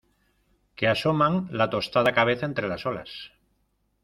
que asoman la tostada cabeza entre las olas